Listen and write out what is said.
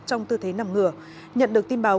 trong tư thế nằm ngửa nhận được tin báo